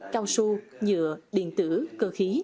cao su nhựa điện tử cơ khí